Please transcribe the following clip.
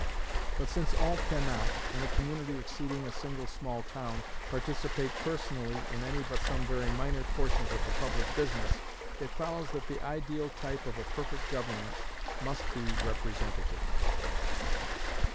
But since all can not, in a community exceeding a single small town, participate personally in any but some very minor portions of the public business, it follows that the ideal type of a perfect government must be representative.